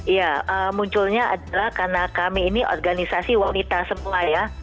ya munculnya adalah karena kami ini organisasi wanita semua ya